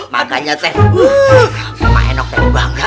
makanya teh maenok yang bangga